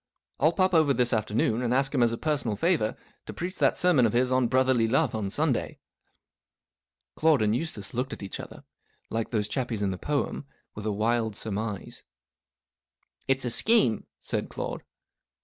I'll pop over this afternoon, and ask him as a personal favour, to preach that sermon of his* on Brotherly Love on Sunday." Claude and Eustace looked at each other, like those chappies in the poem, with a wild surmise. " It's a scheme," said Claude.